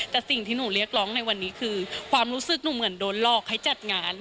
แต่สิ่งที่หนูเรียกร้องในวันนี้คือความรู้สึกหนูเหมือนโดนหลอกให้จัดงาน